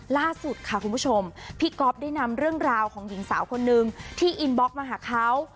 ล่าสุดค่ะคุณผู้ชมพี่ก๊อฟได้นำเรื่องราวของหญิงสาวคนนึงที่อินบล็อกมาหาเขา